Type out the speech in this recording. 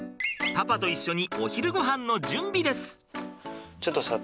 パパと一緒にお昼ごはんの準備です。